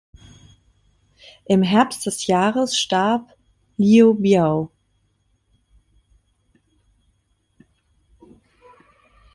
Im Herbst des Jahres starb Liu biao.